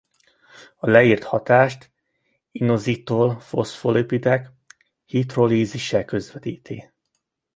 A leírt hatást inozitol-foszfolipidek hidrolízise közvetíti.